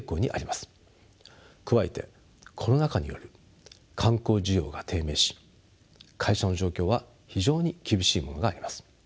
加えてコロナ禍により観光需要が低迷し会社の状況は非常に厳しいものがあります。